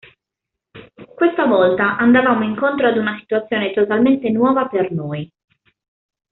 Questa volta andavamo incontro ad una situazione totalmente nuova per noi.